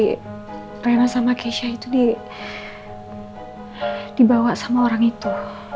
rena sama keisha itu dibawa sama orang itu